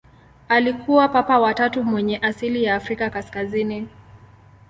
Alikuwa Papa wa tatu mwenye asili ya Afrika kaskazini.